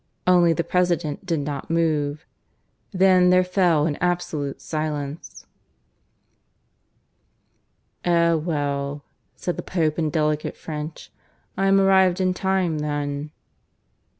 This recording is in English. Only the President did not move. Then there fell an absolute silence. (V) "Eh well," said the Pope in delicate French; "I am arrived in time then."